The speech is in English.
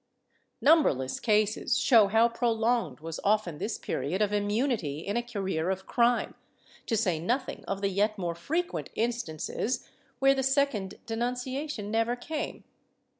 Numberless cases show how prolonged was often this period of immunity in a career of crime, to say nothing of the yet more frequent instances where the second denunciation never came.